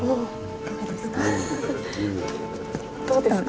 いかがですか？